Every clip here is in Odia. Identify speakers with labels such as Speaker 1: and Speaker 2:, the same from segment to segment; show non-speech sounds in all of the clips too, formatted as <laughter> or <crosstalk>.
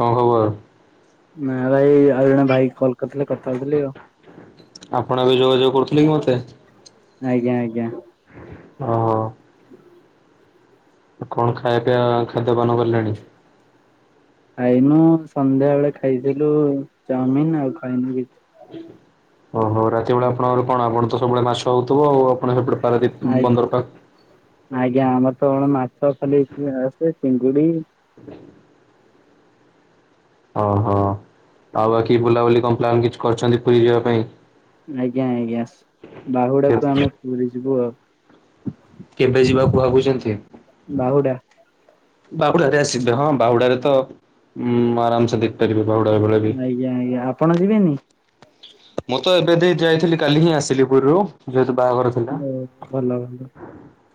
Speaker 1: କଣ ଖବର?
Speaker 2: ନା ଭାଇ ଆଉ ଜଣେ ଭାଇ କଲ୍ କରିଥିଲେ କଥା ହୋଇଥିଲି ଆଉ।
Speaker 1: ଆପଣ ବି ଯୋଗାଯୋଗ କରୁଥିଲେ କି ମତେ?
Speaker 2: ଆଜ୍ଞା ଆଜ୍ଞା।
Speaker 1: ଓହୋ କଣ ଖାଇବା ପିଇବା ଖାଦ୍ୟପାନ କଲେଣି?
Speaker 2: ଖାଇନୁ ସନ୍ଧ୍ୟା ବେଳେ ଖାଇଥିଲୁ ଚାଉମିନ ଆଉ ଖାଇନୁ କିଛି।
Speaker 1: ଆଉ ରାତି ବେଳେ ଆପଣଙ୍କର କଣ? ଆପଣ ତ ସବୁବେଳେ ମାଛ ହଉଥିବ ଆଉ। ଆପଣଙ୍କ ସେପଟେ ପାରାଦ୍ୱୀପ
Speaker 2: ଆଜ୍ଞା
Speaker 1: ବନ୍ଦର ପା
Speaker 2: ଆଜ୍ଞା ଆମର ତ କଣ ମାଛ ଖାଲି ଆସେ ଚିଙ୍ଗୁଡି
Speaker 1: ଓହୋ। ଆଉ ବାକି ବୁଲାବୁଲି କଣ ପ୍ଲାନ୍ କିଛି କରିଛନ୍ତି ପୁରୀ ଯିବା ପାଇଁ?
Speaker 2: ଆଜ୍ଞା ଆଜ୍ଞା। ବାହୁଡାକୁ ଆମେ ପୁରୀ ଯିବୁ ଆଉ।
Speaker 1: କେବେ ଯିବାକୁ ଭାବୁଚନ୍ତି?
Speaker 2: ବାହୁଡା।
Speaker 1: ବାହୁଡାରେ ଆସିବେ। ହଁ ବାହୁଡାରେ ତ ଉଁ ଆରାମସେ ଦେଖ
Speaker 2: ଆଜ୍ଞା ଆଜ୍ଞା। ଆପଣ ଯିବେନି?
Speaker 1: ମୁଁ ତ ଏବେ ଦ ଯାଇଥିଲି କାଲି ହିଁ ଆସିଲି ପୁରୀରୁ। ଯେହେତୁ ବାହାଘର ଥିଲା।
Speaker 2: ଓ ଭଲ ଭଲ।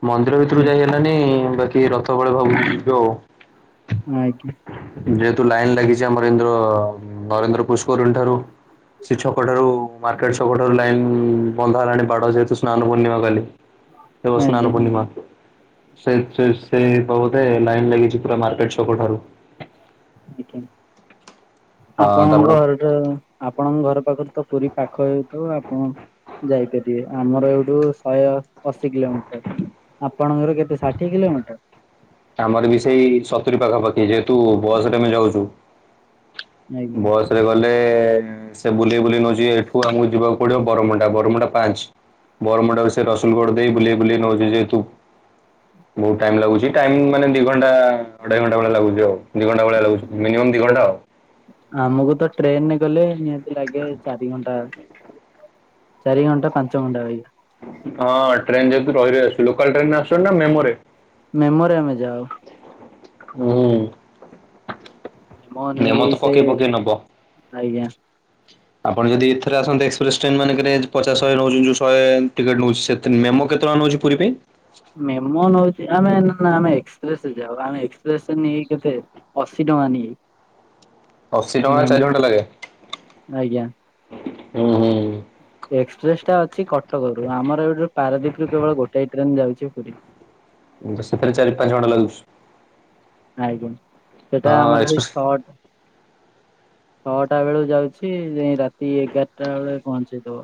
Speaker 1: ମନ୍ଦିର ଭିତରୁ
Speaker 2: ଆଜ୍ଞା
Speaker 1: ଯାଇ ହେଲାନି ବାକି ରଥ ବଳେ ଭାବୁଚି ଯିବି ଆଉ।
Speaker 2: ଆଜ୍ଞା।
Speaker 1: ଯେହେତୁ ଲାଇନ ଲାଗିଛି ଆମର ଇନ୍ଦ୍ର ନରେନ୍ଦ୍ର ପୁଷ୍କରିଣୀ ଠାରୁ, ସେ ଛ କ, ଠାରୁ ମାର୍କେଟ ଛକଠାରୁ ଲାଇନ୍ ବନ୍ଧା ହେଲାଣି ବାଡ଼ ଯେହେତୁ ସ୍ନାନ ପୂର୍ଣ୍ଣିମା କାଲି। ଦେବ ସ୍ନାନ
Speaker 2: ଆଜ୍ଞା।
Speaker 1: ପୂର୍ଣ୍ଣିମା। ସେ ସେ ସେ ବହୁଧେ ଲାଇନ୍ ଲାଗିଛି ପୁରା ମାର୍କେଟ ଛକ ଠାରୁ।
Speaker 2: ଆଜ୍ଞା,
Speaker 1: ହଁ ତାପଣ
Speaker 2: ଆପଣଙ୍କ ଆପଣଙ୍କ ଘର ପାଖରୁ ତ ପୁରୀ ପାଖ ହେଉଥିବ ଆପଣ। ଯାଇପାରିବେ ଆମର ଏଇଠୁ ଶଏ ଅଶୀ କିଲୋମିଟର। ଆପଣଙ୍କର କେତେ ଷାଠିଏ କିଲୋମିଟର?
Speaker 1: ଆମର ବି ସେଇ ସତୁୁରୀ ପାଖାପାଖି। ଯେହେତୁ ବସ ରେ ଆମେ ଯାଉଛୁ।
Speaker 2: ଆଜ୍ଞା।
Speaker 1: ବସ୍। ସେରେ ଗଲେ ସେ ବୁଲେଇ ବୁଲେଇ ନଉଛି ଏଠୁ ଆମକୁ ଯିବାକୁ ପଡିବ ବରମୁଣ୍ଡା। ବରମୁଣ୍ଡା ପାଞ୍ଚ। ବରମୁଣ୍ଡାରୁ ସେ ରସୁଲଗଡ ଦେଇ ବୁଲେଇ ବୁଲେଇ ନଉଚି ଯେହେତୁ ବହୁତ ଟାଇମ ଲାଗୁଛି। ଟାଇମ୍ ମାନେ ଦି ଘଣ୍ଟା ଅଢେଇ ଘଣ୍ଟା ଭଳିଆ ଲାଗୁଛି ଆଉ ଦି ଘଣ୍ଟା ଭଳିଆ ଲାଗୁଛି ମିନିମମ୍ ଦି ଘଣ୍ଟା ଆଉ।
Speaker 2: ଆମକୁ ତ ଟ୍ରେନରେ ଗଲେ ନିହାତି ଲାଗେ ଚାରି ଘଣ୍ଟା। ଚାରି ଘଣ୍ଟା ପାଞ୍ଚ ଘଣ୍ଟା ବାଇ।
Speaker 1: ହଁ ଟ୍ରେନ୍ ଯେହେତୁ ରହି ରଇ ଆସୁ ଲୋକାଲ ଟ୍ରେନ ଆସଛନ୍ତି ନା ମେମୋରେ?
Speaker 2: ମେମୋରେ ଆମେ ଯାଉ।
Speaker 1: ହୁଁ।
Speaker 2: ମନି
Speaker 1: ମେମୋ ତ
Speaker 2: ସେ
Speaker 1: ପକେଇ ପକେଇ ନବ
Speaker 2: ଆଜ୍ଞା।
Speaker 1: ଆପଣ ଯଦି ଏଥରେ ଆସନ୍ତେ ଏକ୍ସପ୍ରେସ ଟ୍ରେନ ମାନଙ୍କରେ ପଚାଶ ଶହେ ନଉଛନ୍ତି ଯୋଉ ଶଏ। ଟିକେଟ ନେଉଛି ସେତି। ମେମୋ କେତେ ଟଙ୍କା ନେଉଛି ପୁରୀ ପାଇଁ?
Speaker 2: ମେମୋ ନଉଛି ଆମେ ନା ଆମେ ଏକ୍ସପ୍ରେସରେ ଯାଉ। ଆମେ ଏକ୍ସପ୍ରେସରେ ନିଏ କେତେ? ଅଶୀ ଟଙ୍କା ନିଏ।
Speaker 1: ଅଶୀ ଟଙ୍କା
Speaker 2: ମେମ୍
Speaker 1: ଚାରି ଘଣ୍ଟା ଲାଗେ।
Speaker 2: ଆଜ୍ଞା
Speaker 1: ହୁଁ
Speaker 2: ଏକ୍ସପ୍ରେସ ଟା ଅଛି କଟକରୁୁ ଆମର ଏଠୁ ପାରାଦ୍ୱୀପୁ କେବଳ ଗୋଟେ ଟ୍ରେନ ଯାଉଛି ପୁରୀ
Speaker 1: ତ ସେଥି ଚାରି ପାଞ୍ଚ ଘଣ୍ା ଲାଗୁଛ
Speaker 2: ଆଜ୍ଞା ସେଟା
Speaker 1: ହଁ
Speaker 2: ଆମର ସେଇ
Speaker 1: ଏକ୍ସପ୍ରେସ୍
Speaker 2: ଛଅଟା ଛଅଟା ବେଳୁ ଯାଉଛି ରାତି ଏଗାରଟା ବେଳେ ପହଞ୍ଚିଦବ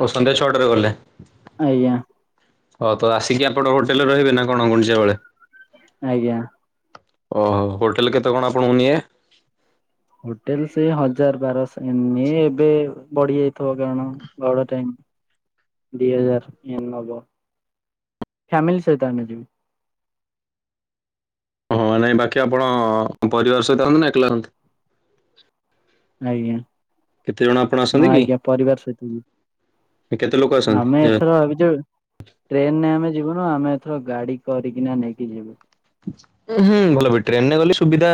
Speaker 1: ଓ ସନ୍ଧ୍ୟା ଛଅଟାରେ ଗଲେ
Speaker 2: ଆଜ୍ଞା
Speaker 1: ହଁ ତ ଆସିକି ଆପଣଙ୍କ ହୋଟେଲ ରେ ରହିବେ ନା କଣୁଣଛିାବେଳେ
Speaker 2: ଆଜ୍ଞା
Speaker 1: ଓୋ ହୋଟେଲ୍ କେତେ କଣ ଆପଣଙ୍କୁ ନିଏ
Speaker 2: ହୋଟେଲ ସେ ହଜାର ବାରଶହ ଏନ ଏବେ ବଢି ଯାଇଥିବ କାରଣ ବଡ ଟାଇମ ଦୁଇ ହଜାର ନବ ଫ୍ୟାମିଲି ସହିତ ଆମେ ଯିବି
Speaker 1: ହଁ ନାଇଁ ବାକି ଆପଣ ପରିବାର ସହିତ ଆନ୍ତୁ ନା ଏକନ୍ତି
Speaker 2: ଆଜ୍ଞା
Speaker 1: କେତେ ଜଣ ଆପଣ
Speaker 2: ହଁ
Speaker 1: ଆସନ୍ତି କି?
Speaker 2: ଆଜ୍ଞା ପରିବାର ସହିତ
Speaker 1: କେତେ ଲୋକ
Speaker 2: ବି
Speaker 1: ଆସନ୍ତି?
Speaker 2: ଆମେ
Speaker 1: ଯେ
Speaker 2: ଏଥର ଭାବିଚୁ। ଟ୍ରେନରେ ଆମେ ଯିବୁନୁ ଆମେ ଏଥର ଗାଡି କରିକିନା ନେଇକି ଯିବୁ।
Speaker 1: ଉଁ ହୁଁ ଭଲ ବି ଟ୍ରେନରେ ଗଲେ ସୁବିଧା।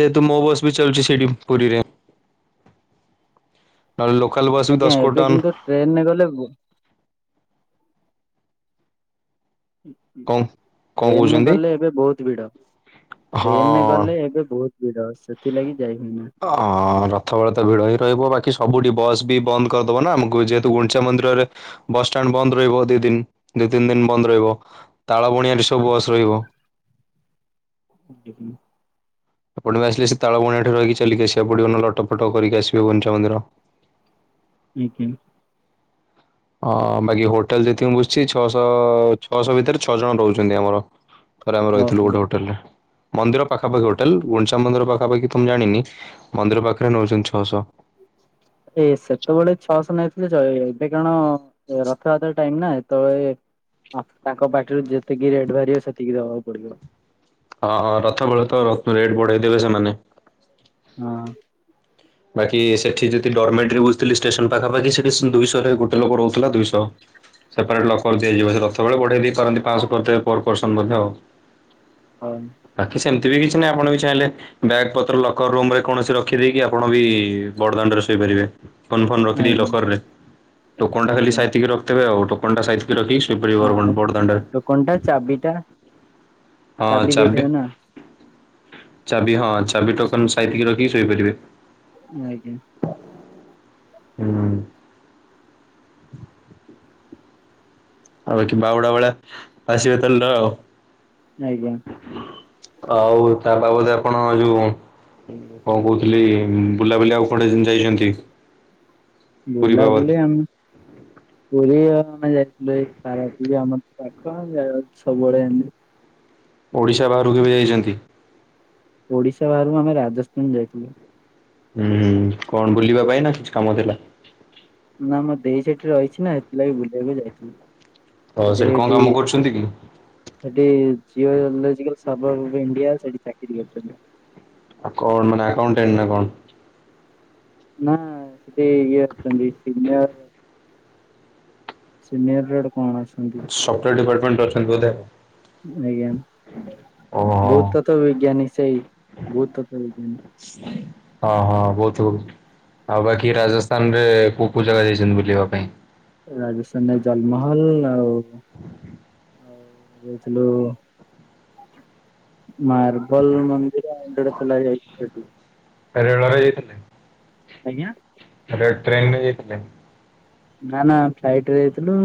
Speaker 1: ଯେହେତୁ ମୋ ବସ୍ ବି ଚାଲୁଛି ସେିଠି ପୁରୀରେ ଲୋକା
Speaker 2: ଆଜ୍ଞା ଏବେ କିନ୍ତୁ ଟ୍ରେନରେ ଗଲେୁ
Speaker 1: କଣ କଣ
Speaker 2: ଟ୍ରେନରେ
Speaker 1: କହୁଛନ୍ତି?
Speaker 2: ଗଲେ ଏବେ ବହୁତ ଭିଡ ଟ୍ରେନରେ
Speaker 1: ହଁ।
Speaker 2: ଗଲେ ଏବେ ବହୁତ ର ସେଥିଲାଗି ଯାଇ ହୁନା
Speaker 1: ଅଁ ରଥ ବେଳେ ତ ଭିଡ ହିଁ ରହିବ ବାକି ସବୁଠି ବସ୍ ବି ବନ୍ଦ କରିଦବ ନା ଆମକୁ ଯେହେତୁ ଗୁଣ୍ଡିଚା ମନ୍ଦିରରେ ବସଷ୍ଟାଣ୍ଡ ବନ୍ଦ ରହିବ ଦି ଦିନ ଦି ତିନି ଦିନ ବନ୍ଦ ରହିବ ତାଳ ବଣିଆରେ ସବୁ ବସ ରହିବ
Speaker 2: ଆ
Speaker 1: ଆପଣ ବି ଆସିଲେ ସେ ତାଳବଣି ଠ ରହିି ଚାଲିକ ଆସିବାକୁ ପଡିବ ନା ଲଟ ଫଟ କରିକି ଆସିବ କନଞ୍ଚା ମନ୍ଦିର
Speaker 2: ଆଜ୍ଞା
Speaker 1: ହଁ ବାକି ହୋଟେଲ ଯେତିକ ମୁଁ ବୁଝୁଛି ଛଅଶହ ଛଅଶହ ଭିତରେ ଛଅ ଜଣ ରହୁଛନ୍ତି ଆମର ରେ ଆମେ ରହିଥିଲୁ
Speaker 2: ଓହୋ
Speaker 1: ଗୋଟେ ହୋଟେଲ ରେ ମନ୍ଦିର ପାଖାପଖ ହୋଟେଲ ଗୁଣ୍ଡିଚା ମନ୍ଦିର ପାଖାପଖି ତମେ ଜାଣିନି ମନ୍ଦିର ପାଖରେ ନେଉଛନ୍ତି ଛଅଶହ
Speaker 2: ଏ ସେତେବେଳେ ଛଅଶହ ହେଇଥିଲେ ଏବେ କାରଣ ରଥଯାତ୍ରା ଟାଇମ ନା ସେତେବେଳେ ତାଙ୍କ ପାଟିରୁ ଯେତିକି ରେଟ୍ ବାହାରିବ ସେତିକି ଦବାକୁ ପଡିବ
Speaker 1: ହଁଁ ରଥ ବେଳେ ତ ରେଟ୍ ବଢେଇ ଦେେବେ ସେମାନେ
Speaker 2: ହଁ
Speaker 1: ବାକି ସେଠି ଯଦି ଡରମେଟି ବୁଝଥିଲି ଷ୍ଟେସନ ପାଖାପାଖି ସେଠି ଦୁଇଶହରେ ଗୋଟେ ଲୋକ ରହୁଥିଲା ଦୁଇଶହ ସେପାରେଟ୍ ଲକର୍ ଦିଆଯିବ ସେ ରଥ ବବେଳେ ବଢ଼େଇ ଦେଇପାରନ୍ତି ପାଞ୍ଚଶହ ପର ପର୍ସନ୍ ମଧ୍ୟ ଆଉ
Speaker 2: ହଁ
Speaker 1: ଆକି ସେମିତି ବି କିଛି ନାହିଁ ଆପଣ ବି ଚାହିଁଲେ ବଗ ପତ୍ର ଲକର ରୁମ ରେ କୌଣସି ରଖିଦକି ଆପଣ ବି ବଡ଼ଦାଣ୍ଡରେ ଶୋଇପାରିବେ ଫୋନ ଫୋନ ରଖିଦି
Speaker 2: ଆଜ୍ଞା
Speaker 1: ଲକରରେ ଟୋକନ ଟା ଖାଲି
Speaker 2: ଆଜ୍ଞା
Speaker 1: ସାଇତିକି ରଖିବେ ଆଉ ଟୋକନ ଟା ସାଇ ରଖି
Speaker 2: ହଁ
Speaker 1: ଏପ ପଡଦଣ୍ଡ
Speaker 2: ଟୋକନ ଟା ଚାବିଟା ଚାବି ଦେଇଥିବ ନା
Speaker 1: ଚାବି ହଁ ଚାବି ଟୋକନ ସାଇତିକି ରଖିକି ଶୋଇପାରିବେ
Speaker 2: ଆଜ୍ଞା
Speaker 1: ହୁଁ ଆଉ ବାକି ବାଉଡା ଭେଳିଆ ଆସିବେ ତାହେଲେ ର ଆଉ
Speaker 2: ଆଜ୍ଞା
Speaker 1: ଆଉ ତା ବାବଦ ଆପଣ ଯୋଉ କଣ କହୁଥିଲି ବୁଲାବୁଲି ଆଉ କଡେ ଯାଇଛନ୍ତି
Speaker 2: ବୁଲାବୁଲି ଆମେ
Speaker 1: ହ
Speaker 2: ପୁରୀ ଆମେ ଯାଇଥିଲୁ ଏଇ ପାରାପ ଆମର ପାଖ ସବୁବେଳେ ଏମିତି
Speaker 1: ଓଡ଼ିଶା ବାହାରକୁ ବି ଯାଇଛନ୍ତି
Speaker 2: ଓଡିଶା ବାହାରୁ ଆମେ ରାଜସ୍ଥାନ ଯାଇଥିଲୁ
Speaker 1: ହୁଁ କଣ ବୁଲିବା ପାଇଁ ନା କିଛି କାମ ଥିଲା
Speaker 2: ନା ମଁ ଦେଇ ସେଠି ରହିଛି ନା ସେଥିଲାଗି ବୁଲିବାକୁ ଯାଇଥିଲୁ
Speaker 1: ତ ସେଠି କଣ
Speaker 2: ଦେହେଟି
Speaker 1: କାମ କରୁଛନ୍ତି କି?
Speaker 2: ସେଠି ଜିଓଲୋଜିକାଲ ସର୍ଭର ଅଫ ଇଣ୍ଡିଆ ସେଠି ଚାକିରି କରିଛନ୍ତି
Speaker 1: ଆ କଣ ମାନେ ଆକାଉଣ୍ଟ ଏଣ୍ଟ ନା କଣ
Speaker 2: ନା ସେଠି ଇଏ ଅଛନ୍ତି ସିନିୟର ସ ନି ରେଟ କଣ ଅ
Speaker 1: ସଫ୍ଟୱୋର ଡିାର୍ଟମେଣ୍ଟ ଅଛନ୍ତି ବୋଧେ
Speaker 2: ଆଜ୍ଞା
Speaker 1: ଓହୋ
Speaker 2: ଭହୁତତଵ ବିଜ୍ଞାନୀ ସେଇ ଭହୁତ ତତଵ ବିଜ୍ଞାନୀ
Speaker 1: ଶ ହଁ ହଁ ବହୁତ ବହୁ ଆଉ ବାକି ରାଜସ୍ଥାନ ରେ କୋଉ କୋ ଜାଗା ଯାଇଛନ୍ତି ବୁଲିବା ପାଇଁ
Speaker 2: ରାଜସ୍ଥାନରେ ଜଲମହଲ ଆଉ ଆଉ ଯାଇଥିଲୁ ମାର୍ବଲ ମନ୍ଦିର ଆଣ୍ଡଡ଼ ତଲା ଯାଇ ସେ
Speaker 1: ରେଳରେ ଯାଇଥିଲଲେ
Speaker 2: ଆଜ୍ଞା
Speaker 1: ଟ୍ରେନରେ ଯାଇଥିଲଥିଲେ
Speaker 2: ନା ନା ଫ୍ଲାଇଟ ରେ ଯାଇଥିଲୁ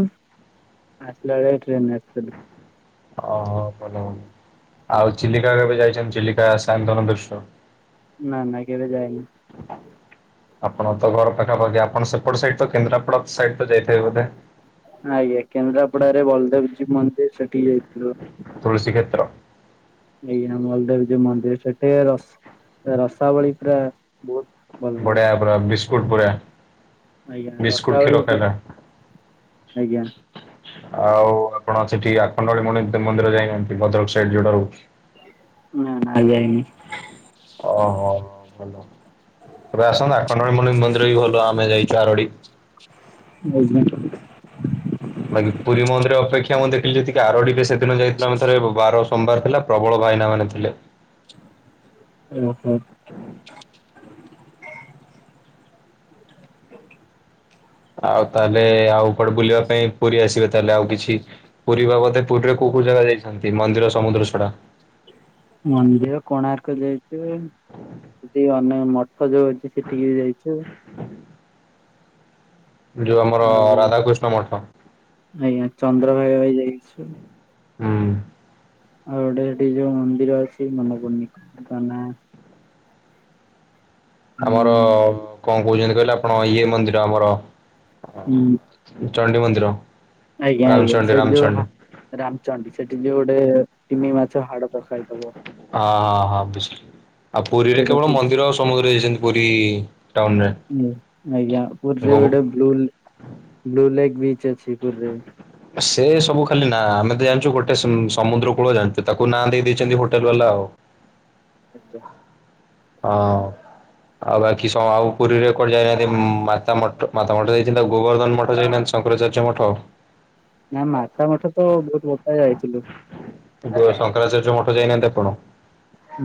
Speaker 2: ଆସିଲା ବେଳେ ଟ୍ରେନ ଆସିଥିଲୁ
Speaker 1: ଓହୋ ଭଲ ଭନ ଆଉ ଚିଲିକା କେବେ ଯାଇଛନ୍ତି ଚିଲିକା ସଏନ୍ତନ ବିଶ
Speaker 2: ନା ନା କେବେ ଯାନି
Speaker 1: ଆପଣ ତ ଘର ପାଖାପାଖି ଆପଣ ସେପଟ ସାଇଡ ତ କେନ୍ଦ୍ରାପଡା ସାଇଡ ତ ଯାଇଥିବେ ବୋଧେ
Speaker 2: ଆଜ୍ଞା କେନ୍ଦ୍ରାପଡାରେ ବଲଦେବଜୀ ମନ୍ଦିର ସେଠିକି ଯାଇଥିଲୁ
Speaker 1: ତୁସୀ କ୍ଷେତ୍ର
Speaker 2: ଆଜ୍ଞା ମଳଦେବ ଯୋଉ ମନ୍ଦିର ସେଠି ରସାବଳି ପୁରା ବହୁତ ଭଲ ଲାଗେ
Speaker 1: ବଢିଆ ପୁରା ବିସ୍କୁଟ ପୁରା
Speaker 2: ଆଜ୍ଞା
Speaker 1: ବିସ୍କୁଟ
Speaker 2: ରସାବଳି
Speaker 1: ଖିଲୋ
Speaker 2: ସେଠି
Speaker 1: ଖଲା
Speaker 2: ଆଜ୍ଞା
Speaker 1: ଆଉ ଆପଣ ସେଠି ଆଖଣ୍ଡବାଳି ମନ୍ଦିର ଯାଇନାହାନ୍ତି ଭଦ୍ରକ ସାଇଡ ଯୋଉଟାରୁ
Speaker 2: ନା ନା ଯାଇନି
Speaker 1: ଓହୋ ଭଲ ଏବେ ଆସନ୍ତୁ ଆଖଣ୍ଡଳମଣି ମନ୍ଦିର ବି ଭଲ ଆମେ ଯାଇଛୁ ଆରଡି।
Speaker 2: ଆଜ୍ଞା।
Speaker 1: ବାକି ପୁରୀ ମନ୍ଦିର ଅପେକ୍ଷା ମୁଁ ଦେଖିଲି ଯଦି କି ଆରଡି ଟେ ସେଦିନ ଯାଇଥିଲ ଆମେ ଥରେ ସୋମବାର ଥିଲା। ପ୍ରବଳ ଭାଇନାମାନେ ଥିଲେ।
Speaker 2: ଓହୋ।
Speaker 1: ଆଉ ତାହେଲେ ଆଉ କୁଆଡେ ବୁଲିବା ପାଇଁ ପୁରୀ ଆସିବେ ତାହେଲେ ଆଉ କିଛି। ପୁରୀ ବାବଦେ ପୁରୀରେ କୋଉ କୋଉ ଜାଗା ଯାଇଛନ୍ତି ମନ୍ଦିର ସମୁଦ୍ର ଛଡା?
Speaker 2: ମନ୍ଦିର କୋଣାର୍କ ଯାଇଛି। ସେଠି ଅନେକ ମଠ ଯୋଉ ଅଛି ସେଠିକି ବି ଯାଇଛୁ।
Speaker 1: ହୁଁ ଯେଉଁ ଆମର
Speaker 2: ଆଉ
Speaker 1: ରାଧାକୃଷ୍ଣ ମଠ।
Speaker 2: ଆଜ୍ଞା ଚନ୍ଦ୍ରଭାଗ ଭାଇ ଯାଇଛୁ।
Speaker 1: ହୁଁ।
Speaker 2: ଆଉ ଗୋଟେ ଏଠି ଯୋଉ ମନ୍ଦିର ଅଛି ମନ ପଡୁନି ତା ନା ଉଁ
Speaker 1: ଆମର କଣ କହୁଛନ୍ତି କହିଲେ ଆପଣ ଇଏ ମନ୍ଦିର ଆମର
Speaker 2: ହୁଁ।
Speaker 1: ଚଣ୍ଡୀ ମନ୍ଦିର।
Speaker 2: ଆଜ୍ଞା ଆଜ୍ଞା
Speaker 1: ରାମଚଣ୍ଡୀ
Speaker 2: ସେଇଠି ଯୋଉ ହା
Speaker 1: ରାମଚଣ୍ଡୀ
Speaker 2: ରାମଚଣ୍ଡୀ ସେଠି ଯୋଉ ଗୋଟେ ଟିମି ମାଛ ହାଡ ତ ଖାଇଥବ।
Speaker 1: ଅ ହଁ ହଁ ବୁଝିଲି। ଆଉ ପୁରୀରେ
Speaker 2: ସେଇଟା
Speaker 1: କେବଳ
Speaker 2: ଖୋଜି
Speaker 1: ମନ୍ଦିର ସମୁଦ୍ରରେ ଯାଇଛନ୍ତି ପୁରୀ ଟାଉନରେ।
Speaker 2: ହୁଁ ଆଜ୍ଞା ପୁରୀରେ
Speaker 1: ଗୋବୁ
Speaker 2: ଗୋଟେ ବ୍ଲୁ ବ୍ଲୁ ଲେକ୍ ବିଚ ଅଛି ପୁରୀରେ।
Speaker 1: ସେ ସବୁ ଖାଲି ନା ଆମେ ତ ଜାଣିଛୁ ଗୋଟେ ସମୁଦ୍ର କୂଳ ଜାଣିଛୁ ତାକୁ ନାଁ ଦେଇ ଦେଇଛନ୍ତି ହୋଟେଲ ବାଲା ଆଉ।
Speaker 2: <inaudible>
Speaker 1: ହଁ। ଆଉ ବାକି ସ ଆଉ ପୁରୀରେ କୁଆଡେ ଯାଇନାହାନ୍ତି ମାତା ମ ମାତା ମଠ ଯାଇଛନ୍ତି ଗୋବର୍ଦ୍ଧନ ମଠ ଯାଇନାହାନ୍ତି ଶଙ୍କରାଚାର୍ଯ୍ୟ ମଠ?
Speaker 2: ନା ମାତା ମଠ ତ ବହୁତ ବର୍ଷାରେ ଯାଇଥିଲୁ।
Speaker 1: ଦୋ ଶଙ୍କରାଚାର୍ଯ୍ୟ ମଠ ଯାଇନାହାନ୍ତି ଆପଣ?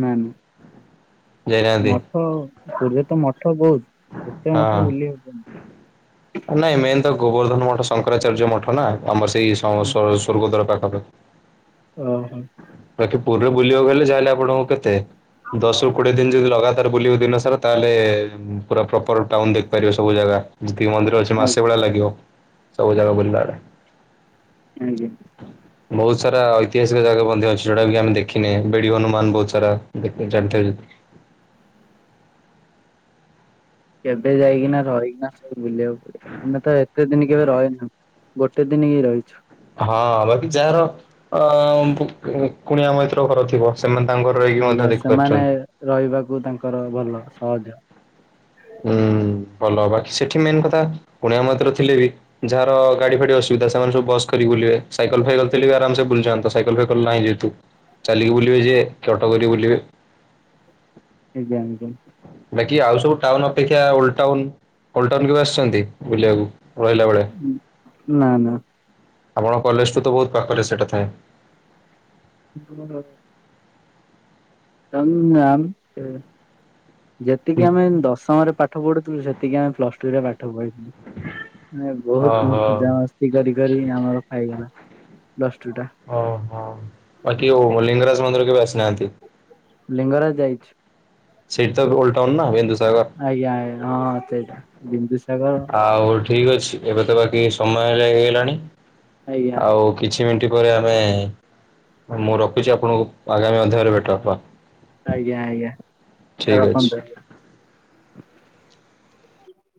Speaker 2: ନା ନା।
Speaker 1: ଯାଇନାହାନ୍ତି
Speaker 2: ମଠ ପୁରୀରେ ତ ମଠ ବହୁତ। ଏତେ ମଠ
Speaker 1: ହଁ।
Speaker 2: ବୁଲି ହବନି।
Speaker 1: ନାଇଁ ମେନ୍ ତ ଗୋବର୍ଦ୍ଧନ ମଠ ଶଙ୍କରାଚାର୍ଯ୍ୟ ମଠ ନା। ଆମର ସେଇ ସ ସ ସ୍ୱର୍ଗଦ୍ୱାର ପାଖାପାଖି।
Speaker 2: ଓହୋ।
Speaker 1: ବାକି ପୁରୀରେ ବୁଲିବାକୁ ହେଲେ ଯାହେଲେ ଆପଣଙ୍କୁ କେତେ ଦଶରୁ କୋଡିଏ ଦିନ ଯଦି ଲଗାତାର ବୁଲିବୁ ଦିନ ସାରା ତାହେଲେ ପୁରା ପ୍ରପର ଟାଉନ ଦେଖିପାରିବେ ସବୁ ଜାଗା ଯେତିକି ମନ୍ଦିର ଅଛି। ଠି ମାସେ
Speaker 2: ଆଜ୍ଞା
Speaker 1: ଭଳିଆ ଲାଗିବ। ସବୁ ଜାଗା ବୁଲିଲା ବେଳେ।
Speaker 2: ଆଜ୍ଞା।
Speaker 1: ହୁଁ। ବହୁତ ସାରା ଐତିହାସିକ ଜାଗା ମଧ୍ୟ ଅଛି ଯୋଉଟାକି ଆମେ ଦେଖିନେ ବେଡି ହନୁମାନ ବହୁତ ସାରା ଦେଖି ଜାଣିଥିବେ।
Speaker 2: କେବେ ଯାଇକିନା ରହିକିନା ସବୁ ବୁଲିବାକୁ ପଡିବ ଆମେ ତ ଏତେ ଦିନ କେବେ ରହିନୁ। ଗୋଟେ ଦିନ ହେଇ ରହିଛୁ।
Speaker 1: ହଁ ବାକି ଯାହାର ଅ ଉ ଉ କୁଣିଆ ମୈତ୍ର ଘର ଥିବ। ସେମାନେ ତାଙ୍କର ରହିକି
Speaker 2: ଆଜ୍ଞା
Speaker 1: ମଧ୍ୟ
Speaker 2: ସେମାନେ
Speaker 1: ଦେଖିପାରୁଛନ୍ତି।
Speaker 2: ରହିବାକୁ ତାଙ୍କର ଭଲ ସହଜ।
Speaker 1: ଉୁଁ ଭଲ ବାକି ସେଠି ମେନ୍ କଥା କୁଣିଆ ମୈତ୍ର ଥିଲେ ବି ଯାହାର ଗାଡି ଫାଡି ଅସୁବିଧା ସେମାନେ ସବୁ ବସ କରିକି ବୁଲିବେ। ସାଇକେଲ ଫାଇକେଲ ଥିଲେବି ଆରାମସ ବୁଲିଜାଆନ୍ତ। ସାଇକେଲ ଫାଇକଲ ନାହିଁ ଯେହେତୁ ଚାଲିକି ବୁଲିବେ ଯିଏ କି ଅଟ କରିକି ବୁଲିବେ।
Speaker 2: ଆଜ୍ଞା ଆଜ୍ଞା।
Speaker 1: ବାକି ଆଉ ସବୁ ଟାଉନ ଅପେକ୍ଷା ଓଲ୍ଡ ଟାଉନ୍ ଓଲ୍ଡ ଟାଉନ୍ କେବେ ଆସିଛନ୍ତି ବୁଲିବାକୁ? ରହିଲା ବେଳେ
Speaker 2: ନା ନା
Speaker 1: ଆପଣ କଲେଜଠୁ ତ ବହୁତ ପାଖରେ ସେଟା ଥାଏ।
Speaker 2: <inaudible> ତଙ୍ଗ ଆମ ଯେତିକି ଆମେ ଦଶମରେ ପାଠ ପଢୁଥିଲୁ ସେତିକି ଆମେ ପ୍ଲସ ଟୁରେ ପାଠ ପଢିଥିଲୁ। ବହୁତ
Speaker 1: ଓହୋ
Speaker 2: ମଜାାମସ୍ତି କରି କରି ଆମର ଖଗଲା। ଦଶ ଟୁ ଟା।
Speaker 1: ଓହୋ ବାକିଉ ଲିଙ୍ଗରାଜ ମନ୍ଦିର କେବେ ଆସିନାହାନ୍ତି।
Speaker 2: ଲିଙ୍ଗରାଜ ଯାଇଛି।
Speaker 1: ସେଇଠ ତ ଓଲଟାାଉନ ନା ବେନ୍ଦୁସାଗର।
Speaker 2: ଆଜ୍ଞା ଆଜ୍ଞ ହଁ ସେଇଟା ବିନ୍ଦୁସାଗର।
Speaker 1: ଆଉ ଠିକ୍ ଅଛି ଏବେ ତ ବାକି ସମୟ ଲାଗିଗଲାଣି
Speaker 2: ଆଜ୍ଞା
Speaker 1: ଆଉ। କିଛି ମିନିଟ ପରେ ଆମେ ମୁଁ ରଖୁଛି ଆପଣଙ୍କୁ ଆଗାମୀ ଅଧ୍ୟାୟରେ ଭେଟ ହବା।
Speaker 2: ଆଜ୍ଞା ଆଜ୍ଞା
Speaker 1: ଠିକ୍ ଅଛି।
Speaker 2: ତରପନ୍ଦ୍ରଲା।